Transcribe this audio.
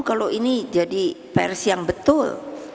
kalau ini jadi pers yang betul